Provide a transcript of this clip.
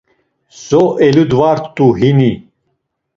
So eludvart̆u hini?